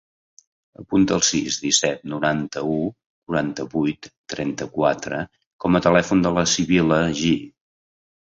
Apunta el sis, disset, noranta-u, quaranta-vuit, trenta-quatre com a telèfon de la Sibil·la Ji.